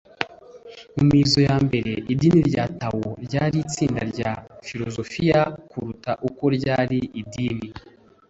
mu mizo ya mbere idini rya tao ryari itsinda rya filozofiya kuruta uko ryari idini.